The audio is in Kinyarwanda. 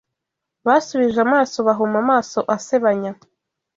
Basubije amaso bahuma amaso asebanya